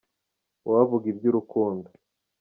Uwavuga iby’urukundo